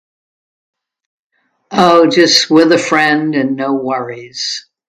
Oh just with a friend and no worries.